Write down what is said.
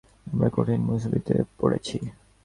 আমরা কঠিন মুসিবতে পড়েছি।